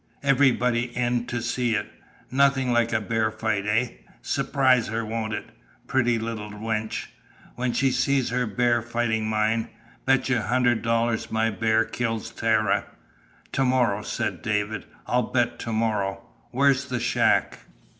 Everybody in to see it. Nothing like a bear fight, eh? S'prise her, won't it pretty little wench! When she sees her bear fighting mine? Betchu hundred dollars my bear kills Tara!" "To morrow," said David. "I'll bet to morrow. Where's the shack?"